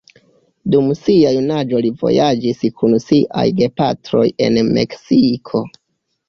Dum sia junaĝo li vojaĝis kun siaj gepatroj en Meksiko.